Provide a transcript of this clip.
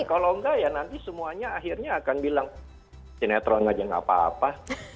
kalau enggak ya nanti semuanya akhirnya akan bilang sinetron aja nggak apa apa